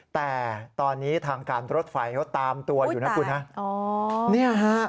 แต่ตอนนี้ทางการรถไฟเขาตามตัวอยู่นะคุณฮะ